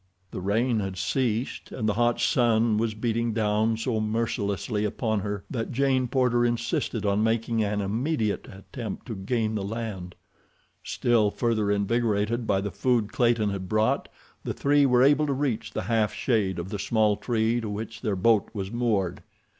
The rain had ceased, and the hot sun was beating down so mercilessly upon her that Jane Porter insisted on making an immediate attempt to gain the land. Still further invigorated by the food Clayton had brought, the three were able to reach the half shade of the small tree to which their boat was moored.